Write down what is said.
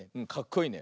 いいね。